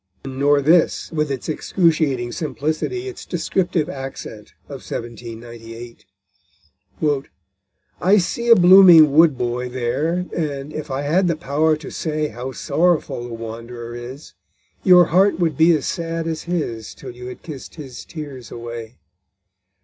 Nor this, with its excruciating simplicity, its descriptive accent of 1798: _I see a blooming Wood boy there, And, if I had the power to say How sorrowful the wanderer is, Your heart would be as sad as his Till you had kiss'd his tears away!